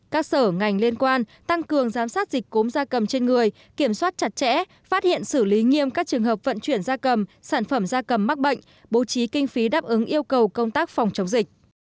các sở ngành liên quan tăng cường giám sát dịch cúm da cầm trên người kiểm soát chặt chẽ phát hiện xử lý nghiêm các trường hợp vận chuyển gia cầm sản phẩm da cầm mắc bệnh bố trí kinh phí đáp ứng yêu cầu công tác phòng chống dịch